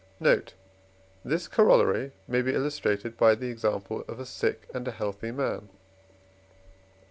Note. This Corollary may be illustrated by the example of a sick and a healthy man.